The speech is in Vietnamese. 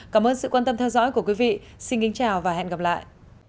cảm ơn sự quan tâm theo dõi của quý vị xin kính chào và hẹn gặp lại